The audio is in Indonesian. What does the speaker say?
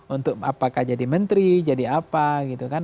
untuk apakah jadi menteri jadi apa gitu kan